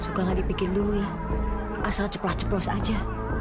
suka nggak dipikir dulu ya asal ceplas ceplos aja